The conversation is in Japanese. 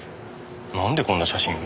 なんでこんな写真を？